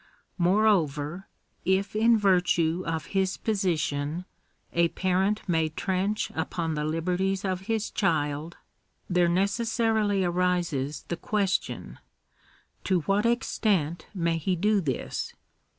Moreover, if in virtue of his position a parent may trench upon the liberties of his child, there necessarily arises the question — To what extent may he do this